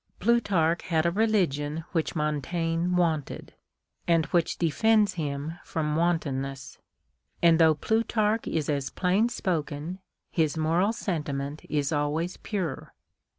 Plutarch had a religion which Montaigne wanted, and which defends him from wanton ness ; and though Plutarch is as plain spoken, his moral senti ment is always pure.